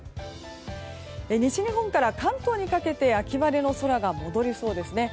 西日本から関東にかけて秋晴れの空が戻りそうですね。